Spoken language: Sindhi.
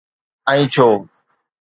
۽ ڇو؟